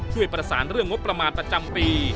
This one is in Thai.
ช่วยประสานเรื่องงบประมาณประจำปี